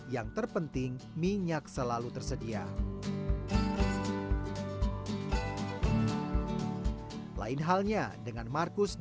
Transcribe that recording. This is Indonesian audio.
yang terpenting minyak selamat